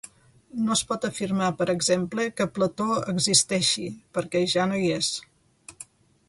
No es pot afirmar, per exemple, que Plató existeixi perquè ja no hi és.